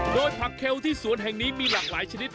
โดยผักเคลที่สวนแห่งนี้มีหลากหลายชนิด